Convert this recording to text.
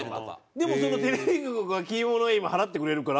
でもそのテレビ局が消えものは今払ってくれるから。